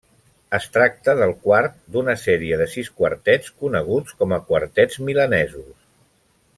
Es tracta del quart d'una sèrie de sis quartets, coneguts com a Quartets milanesos.